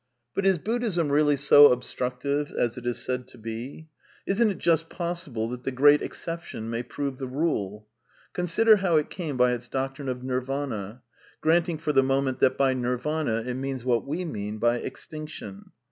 But is Buddhism really so obstructive as it is said to be ? Isn't it just possible* that the Great Exception may prove the rule ? Consider how it came by its doctrine of Nirvana. (Granting, for the moment, that by Nirvana it means what we mean by Extinction.)